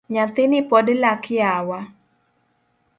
Nyathini pod lak yawa